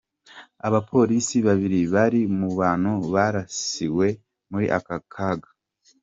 Abapolisi babiri bari mu bantu barasiwe muri aka kaga.